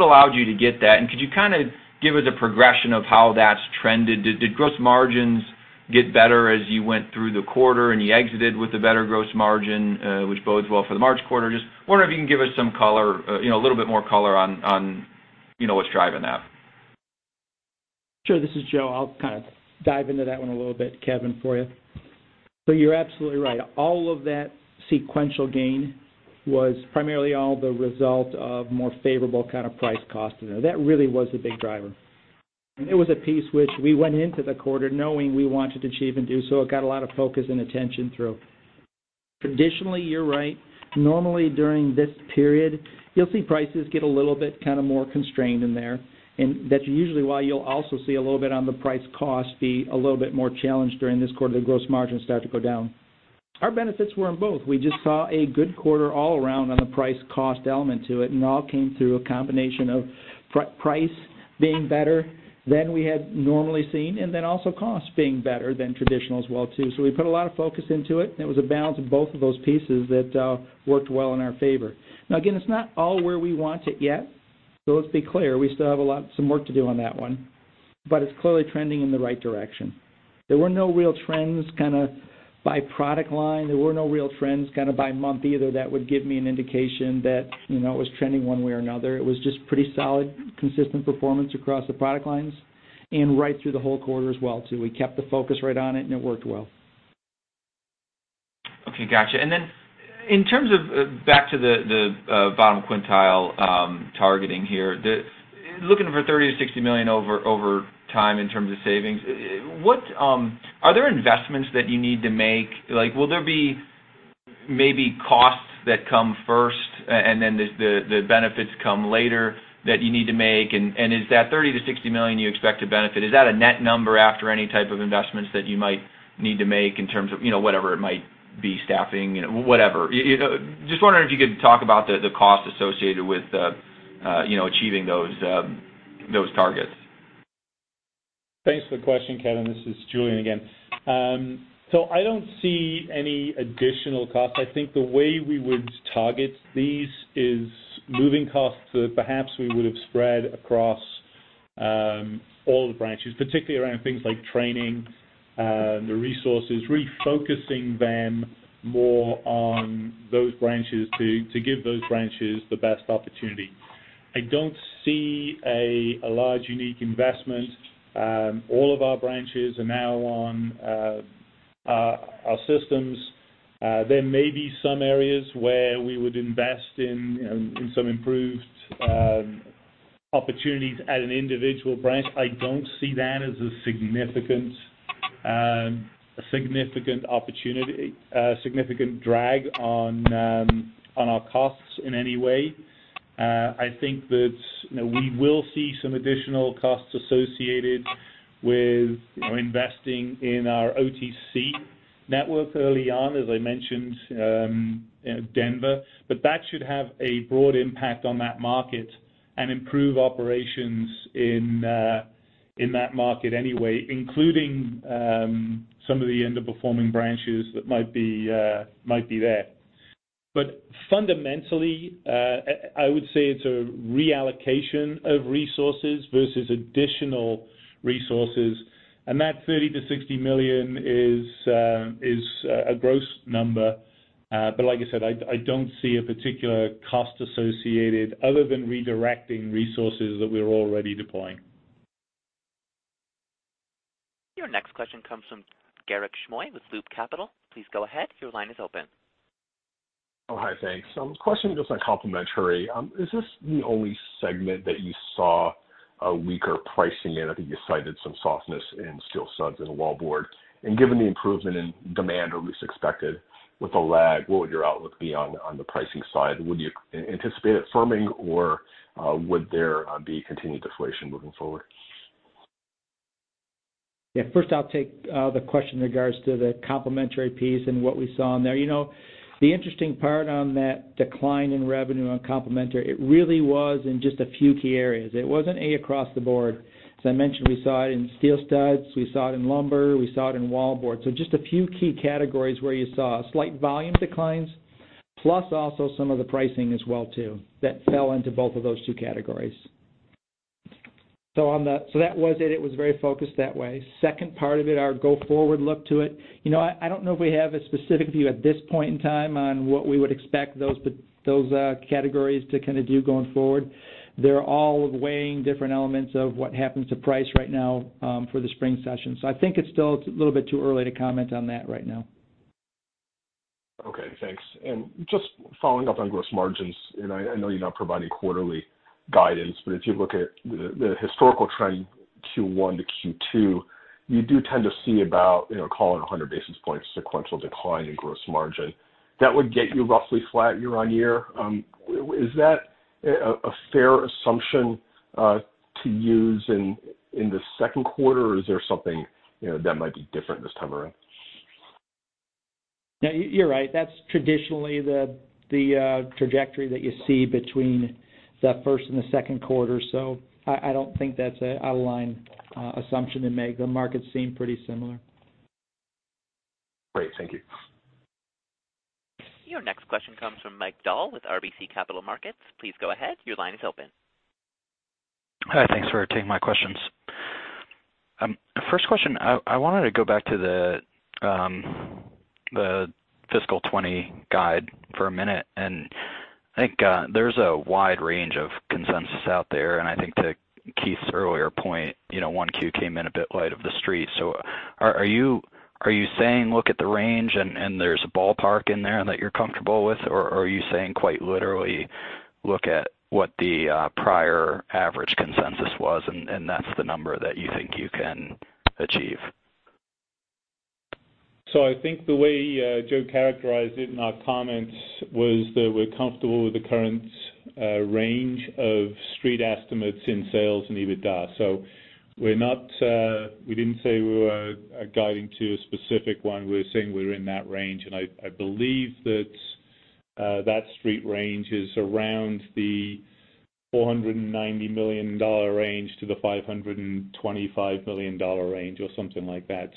allowed you to get that? Could you give us a progression of how that's trended? Did gross margins get better as you went through the quarter and you exited with a better gross margin, which bodes well for the March quarter? Just wondering if you can give us a little bit more color on what's driving that. Sure. This is Joe. I'll dive into that one a little bit, Kevin, for you. You're absolutely right. All of that sequential gain was primarily all the result of more favorable kind of price costing. That really was a big driver. It was a piece which we went into the quarter knowing we wanted to achieve and do, so it got a lot of focus and attention through. Traditionally, you're right. Normally during this period, you'll see prices get a little bit more constrained in there. That's usually why you'll also see a little bit on the price cost be a little bit more challenged during this quarter. The gross margins start to go down. Our benefits were in both. We just saw a good quarter all around on the price cost element to it. All came through a combination of price being better than we had normally seen, and then also cost being better than traditional as well too. We put a lot of focus into it, and it was a balance of both of those pieces that worked well in our favor. Again, it's not all where we want it yet. Let's be clear, we still have some work to do on that one, but it's clearly trending in the right direction. There were no real trends by product line. There were no real trends by month either that would give me an indication that it was trending one way or another. It was just pretty solid, consistent performance across the product lines and right through the whole quarter as well too. We kept the focus right on it and it worked well. Okay. Got you. In terms of back to the bottom quintile targeting here, looking for $30 million-$60 million over time in terms of savings. Are there investments that you need to make? Will there be maybe costs that come first and then the benefits come later that you need to make? Is that $30 million-$60 million you expect to benefit, is that a net number after any type of investments that you might need to make in terms of whatever it might be, staffing, whatever? Just wondering if you could talk about the cost associated with achieving those targets. Thanks for the question, Kevin. This is Julian again. I don't see any additional cost. I think the way we would target these is moving costs that perhaps we would have spread across all the branches, particularly around things like training, the resources, refocusing them more on those branches to give those branches the best opportunity. I don't see a large unique investment. All of our branches are now on our systems. There may be some areas where we would invest in some improved opportunities at an individual branch. I don't see that as a significant drag on our costs in any way. I think that we will see some additional costs associated with investing in our OTC network early on, as I mentioned Denver. That should have a broad impact on that market and improve operations in that market anyway, including some of the underperforming branches that might be there. Fundamentally, I would say it's a reallocation of resources versus additional resources. That $30 million-$60 million is a gross number. Like I said, I don't see a particular cost associated other than redirecting resources that we're already deploying. Your next question comes from Garik Shmois with Loop Capital. Please go ahead. Your line is open. Oh, hi. Thanks. Question just on complimentary. Is this the only segment that you saw a weaker pricing in? I think you cited some softness in steel studs and wallboard. Given the improvement in demand, or at least expected with a lag, what would your outlook be on the pricing side? Would you anticipate it firming or would there be continued deflation moving forward? First, I'll take the question in regards to the complementary piece and what we saw in there. The interesting part on that decline in revenue on complementary, it really was in just a few key areas. It wasn't across the board. As I mentioned, we saw it in steel studs, we saw it in lumber, we saw it in wallboard. Just a few key categories where you saw slight volume declines, plus also some of the pricing as well too, that fell into both of those two categories. That was it. It was very focused that way. Second part of it, our go forward look to it. I don't know if we have a specific view at this point in time on what we would expect those categories to do going forward. They're all weighing different elements of what happens to price right now, for the spring session. I think it's still a little bit too early to comment on that right now. Okay, thanks. Just following up on gross margins, I know you're not providing quarterly guidance, if you look at the historical trend, Q1 to Q2, you do tend to see about call it 100 basis points sequential decline in gross margin. That would get you roughly flat year-on-year. Is that a fair assumption to use in the second quarter or is there something that might be different this time around? No, you're right. That's traditionally the trajectory that you see between the first and the second quarter. I don't think that's an out of line assumption to make. The markets seem pretty similar. Great. Thank you. Your next question comes from Mike Dahl with RBC Capital Markets. Please go ahead. Your line is open. Hi. Thanks for taking my questions. First question, I wanted to go back to the fiscal 2020 guide for a minute. I think there's a wide range of consensus out there, and I think to Keith's earlier point, 1Q came in a bit light of the street. Are you saying look at the range and there's a ballpark in there that you're comfortable with, or are you saying quite literally look at what the prior average consensus was and that's the number that you think you can achieve? I think the way Joe characterized it in our comments was that we're comfortable with the current range of street estimates in sales and EBITDA. We didn't say we were guiding to a specific one. We're saying we're in that range. I believe that street range is around the $490 million range to the $525 million range or something like that.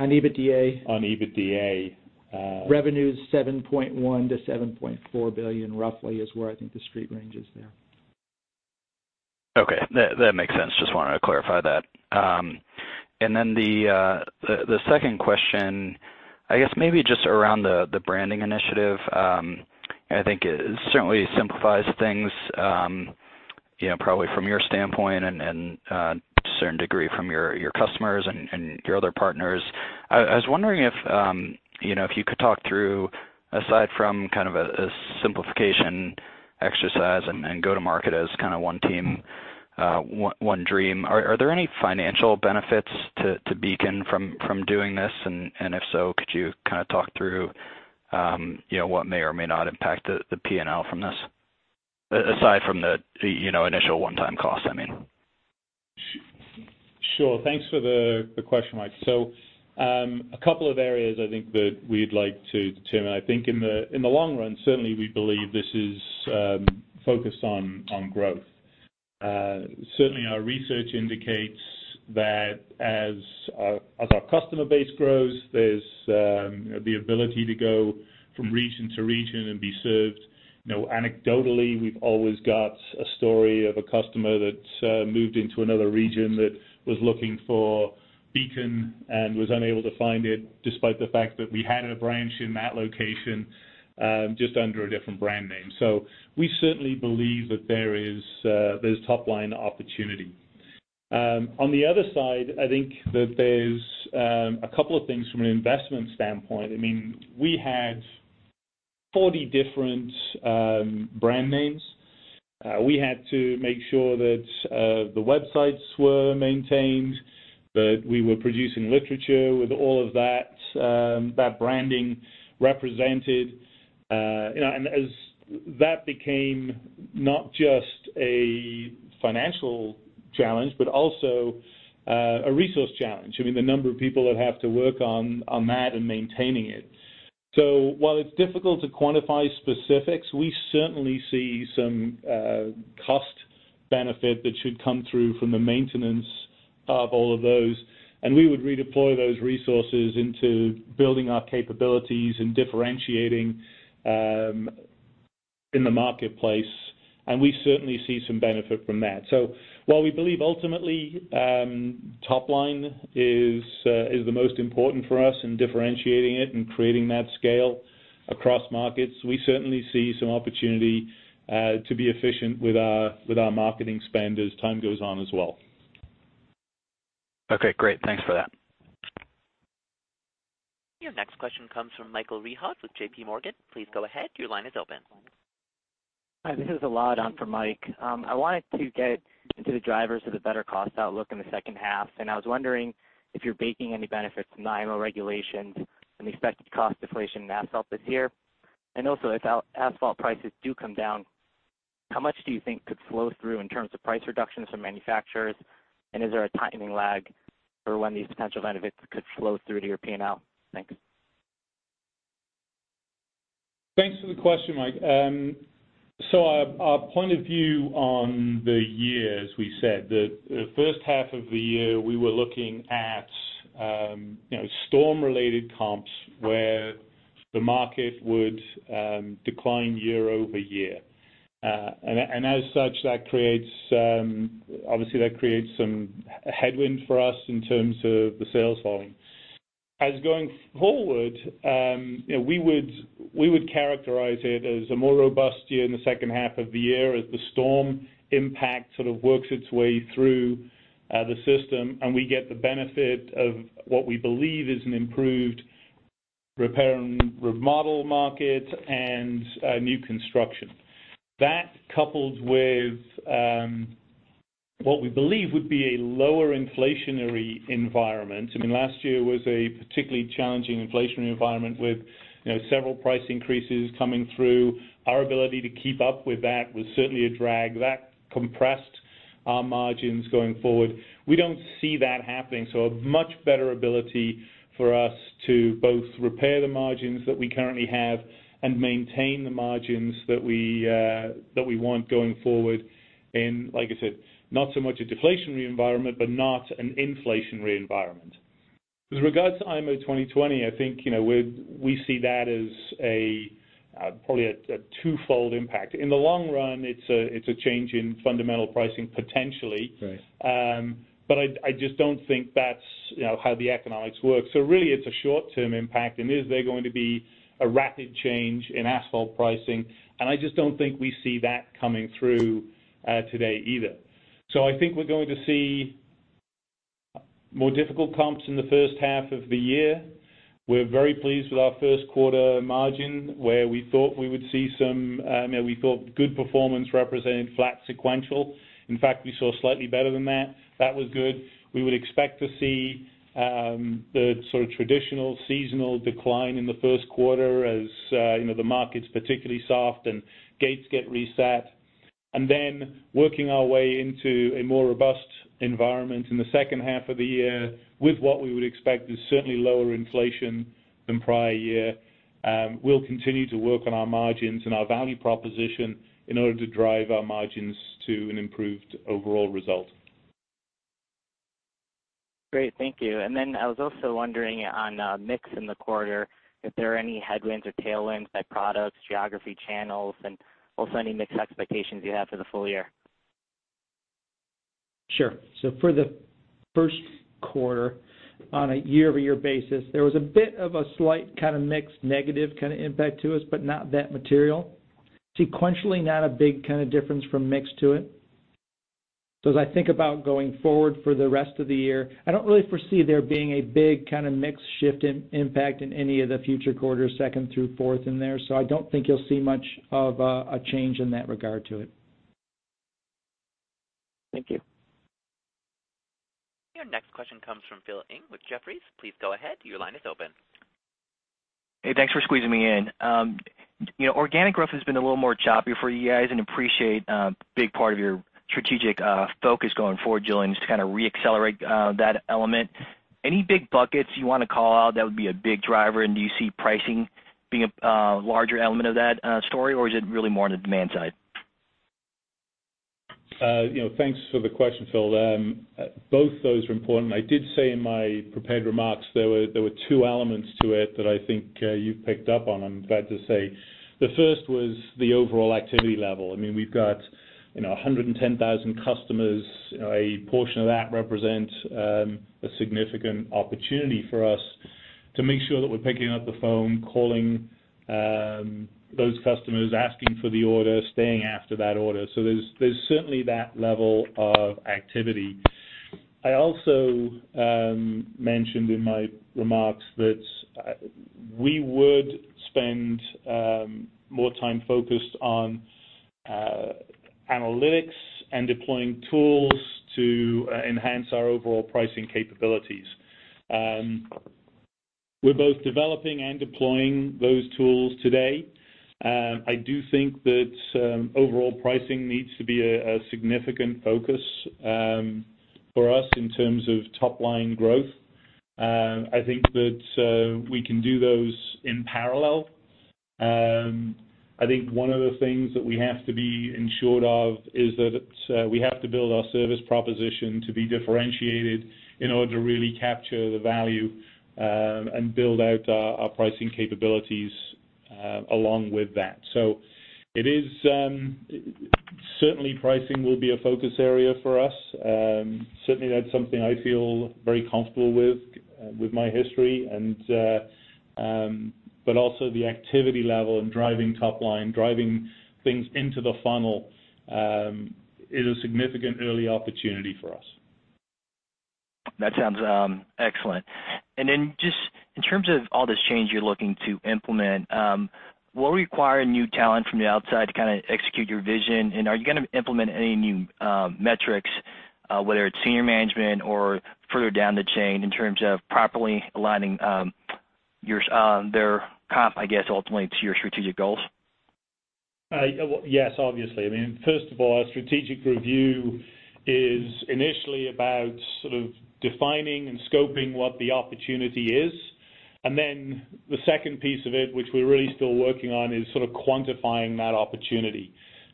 On EBITDA. On EBITDA. Revenue is $7.1 billion-$7.4 billion roughly is where I think the street range is there. Okay. That makes sense. Just wanted to clarify that. I guess maybe just around the branding initiative. I think it certainly simplifies things, probably from your standpoint and to a certain degree from your customers and your other partners. I was wondering if you could talk through, aside from kind of a simplification exercise and go to market as kind of one team, one dream, are there any financial benefits to Beacon from doing this? If so, could you kind of talk through what may or may not impact the P&L from this? Aside from the initial one-time cost, I mean. Sure. Thanks for the question, Mike. A couple of areas I think that we'd like to determine. I think in the long run, certainly we believe this is focused on growth. Certainly our research indicates that as our customer base grows, there's the ability to go from region to region and be served. Anecdotally, we've always got a story of a customer that moved into another region that was looking for Beacon and was unable to find it, despite the fact that we had a branch in that location, just under a different brand name. We certainly believe that there's top-line opportunity. On the other side, I think that there's a couple of things from an investment standpoint. We had 40 different brand names. We had to make sure that the websites were maintained, that we were producing literature with all of that branding represented. As that became not just a financial challenge, but also a resource challenge. The number of people that have to work on that and maintaining it. While it's difficult to quantify specifics, we certainly see some cost benefit that should come through from the maintenance of all of those, and we would redeploy those resources into building our capabilities and differentiating in the marketplace, and we certainly see some benefit from that. While we believe ultimately, top line is the most important for us in differentiating it and creating that scale across markets, we certainly see some opportunity to be efficient with our marketing spend as time goes on as well. Okay, great. Thanks for that. Your next question comes from Michael Rehaut with JPMorgan. Please go ahead. Your line is open. Hi, this is Elad on for Mike. I wanted to get into the drivers of the better cost outlook in the second half, and I was wondering if you're baking any benefits of IMO regulations and the expected cost deflation in asphalt this year? If asphalt prices do come down, how much do you think could flow through in terms of price reductions from manufacturers? Is there a timing lag for when these potential benefits could flow through to your P&L? Thanks. Thanks for the question, Mike. Our point of view on the year, as we said, the first half of the year, we were looking at storm-related comps where the market would decline year-over-year. As such, obviously that creates some headwinds for us in terms of the sales volume. As going forward, we would characterize it as a more robust year in the second half of the year as the storm impact sort of works its way through the system, and we get the benefit of what we believe is an improved repair and remodel market and new construction. That, coupled with what we believe would be a lower inflationary environment. Last year was a particularly challenging inflationary environment with several price increases coming through. Our ability to keep up with that was certainly a drag. That compressed our margins going forward. We don't see that happening, so a much better ability for us to both repair the margins that we currently have and maintain the margins that we want going forward in, like I said, not so much a deflationary environment, but not an inflationary environment. With regards to IMO 2020, I think we see that as probably a twofold impact. In the long run, it's a change in fundamental pricing, potentially. Right. I just don't think that's how the economics work. Really it's a short-term impact, and is there going to be a rapid change in asphalt pricing? I just don't think we see that coming through today either. I think we're going to see more difficult comps in the first half of the year. We're very pleased with our first quarter margin, where we thought good performance represented flat sequential. In fact, we saw slightly better than that. That was good. We would expect to see the sort of traditional seasonal decline in the first quarter as the market's particularly soft and gates get reset. Then working our way into a more robust environment in the second half of the year with what we would expect is certainly lower inflation than prior year. We'll continue to work on our margins and our value proposition in order to drive our margins to an improved overall result. Great. Thank you. I was also wondering on mix in the quarter, if there are any headwinds or tailwinds by products, geography, channels, and also any mix expectations you have for the full-year? Sure. For the first quarter, on a year-over-year basis, there was a bit of a slight kind of mix, negative kind of impact to us, but not that material. Sequentially, not a big kind of difference from mix to it. As I think about going forward for the rest of the year, I don't really foresee there being a big kind of mix shift impact in any of the future quarters, second through fourth in there. I don't think you'll see much of a change in that regard to it. Thank you. Your next question comes from Philip Ng with Jefferies. Please go ahead. Your line is open. Hey, thanks for squeezing me in. Organic growth has been a little more choppy for you guys, and appreciate a big part of your strategic focus going forward, Julian, is to kind of re-accelerate that element. Any big buckets you want to call out that would be a big driver? Do you see pricing being a larger element of that story, or is it really more on the demand side? Thanks for the question, Phil. Both those are important. I did say in my prepared remarks there were two elements to it that I think you've picked up on, I'm glad to say. The first was the overall activity level. We've got 110,000 customers. A portion of that represents a significant opportunity for us to make sure that we're picking up the phone, calling those customers, asking for the order, staying after that order. There's certainly that level of activity. I also mentioned in my remarks that we would spend more time focused on analytics and deploying tools to enhance our overall pricing capabilities. We're both developing and deploying those tools today. I do think that overall pricing needs to be a significant focus for us in terms of top-line growth. I think that we can do those in parallel. I think one of the things that we have to be ensured of is that we have to build our service proposition to be differentiated in order to really capture the value, and build out our pricing capabilities along with that. Certainly pricing will be a focus area for us. Certainly that's something I feel very comfortable with my history, but also the activity level and driving top line, driving things into the funnel, is a significant early opportunity for us. That sounds excellent. Just in terms of all this change you're looking to implement, will it require new talent from the outside to kind of execute your vision? Are you going to implement any new metrics, whether it's senior management or further down the chain in terms of properly aligning their comp, I guess, ultimately to your strategic goals? Yes, obviously. First of all, our strategic review is initially about defining and scoping what the opportunity is. Then the second piece of it, which we're really still working on, is quantifying that opportunity.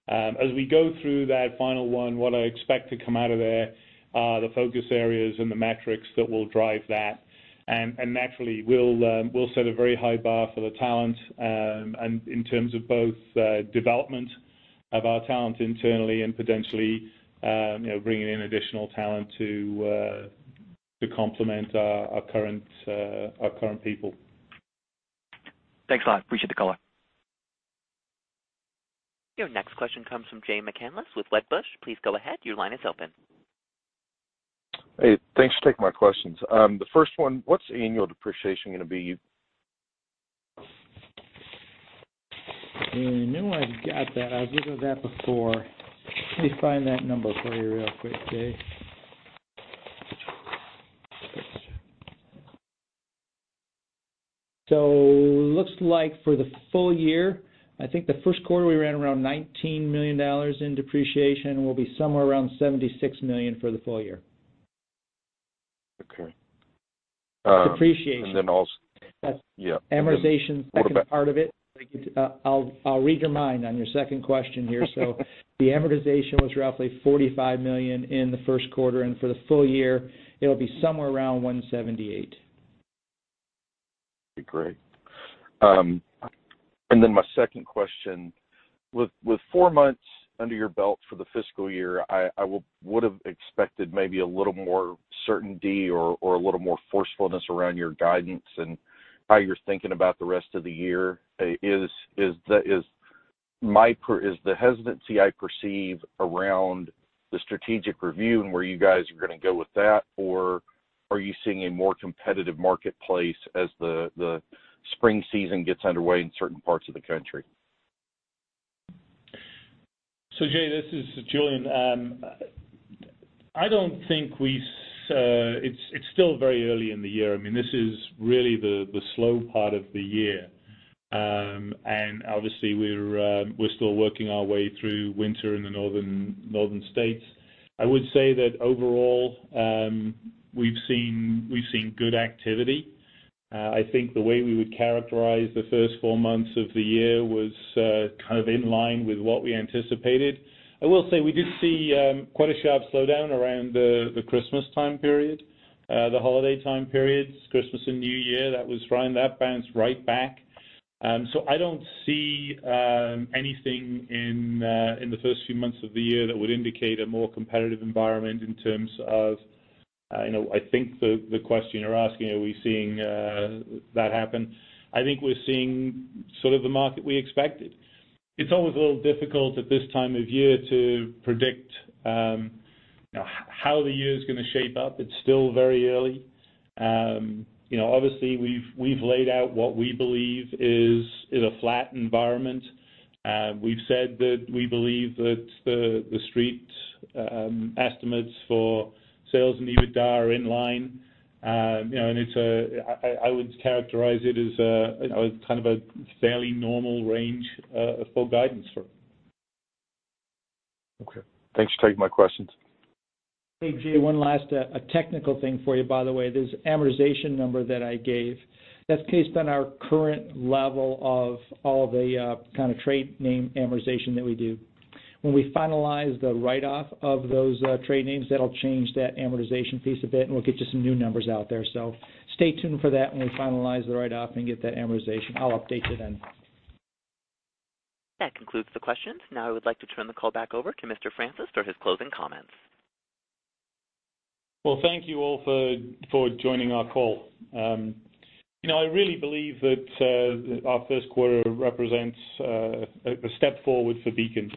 As we go through that final one, what I expect to come out of there are the focus areas and the metrics that will drive that. Naturally, we'll set a very high bar for the talent, and in terms of both development of our talent internally and potentially bringing in additional talent to complement our current people. Thanks a lot. Appreciate the call. Your next question comes from Jay McCanless with Wedbush. Please go ahead. Your line is open. Hey, thanks for taking my questions. The first one, what's annual depreciation going to be? I know I've got that. I've looked at that before. Let me find that number for you real quick, Jay. Looks like for the full-year, I think the first quarter we ran around $19 million in depreciation, and we'll be somewhere around $76 million for the full-year. Okay. Depreciation. Yeah. Amortization's the second part of it. I'll read your mind on your second question here. The amortization was roughly $45 million in the first quarter, and for the full-year, it'll be somewhere around $178 million. Okay, great. My second question, with four months under your belt for the fiscal year, I would've expected maybe a little more certainty or a little more forcefulness around your guidance and how you're thinking about the rest of the year. Is the hesitancy I perceive around the strategic review and where you guys are going to go with that, or are you seeing a more competitive marketplace as the spring season gets underway in certain parts of the country? Jay, this is Julian. I don't think it's still very early in the year. This is really the slow part of the year. Obviously we're still working our way through winter in the northern states. I would say that overall, we've seen good activity. I think the way we would characterize the first four months of the year was kind of in line with what we anticipated. I will say, we did see quite a sharp slowdown around the Christmas time period, the holiday time periods, Christmas and New Year. That bounced right back. I don't see anything in the first few months of the year that would indicate a more competitive environment in terms of, I think the question you're asking, are we seeing that happen? I think we're seeing sort of the market we expected. It's always a little difficult at this time of year to predict how the year's going to shape up. It's still very early. Obviously, we've laid out what we believe is a flat environment. We've said that we believe that the street estimates for sales and EBITDA are in line. I would characterize it as a kind of a fairly normal range for guidance. Okay. Thanks for taking my questions. Hey, Jay, one last technical thing for you, by the way. This amortization number that I gave, that's based on our current level of all the kind of trade name amortization that we do. When we finalize the write-off of those trade names, that'll change that amortization piece a bit, and we'll get you some new numbers out there. Stay tuned for that when we finalize the write-off and get that amortization. I'll update you then. That concludes the questions. I would like to turn the call back over to Mr. Francis for his closing comments. Well, thank you all for joining our call. I really believe that our first quarter represents a step forward for Beacon,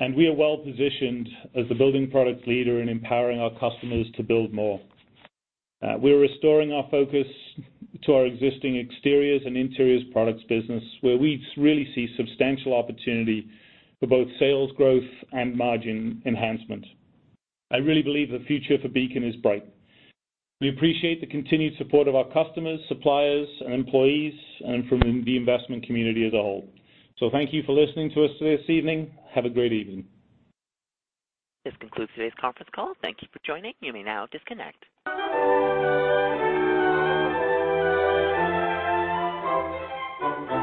and we are well-positioned as the building products leader in empowering our customers to build more. We are restoring our focus to our existing exteriors and interiors products business, where we really see substantial opportunity for both sales growth and margin enhancement. I really believe the future for Beacon is bright. We appreciate the continued support of our customers, suppliers, and employees, and from the investment community as a whole. Thank you for listening to us this evening. Have a great evening. This concludes today's conference call. Thank you for joining. You may now disconnect.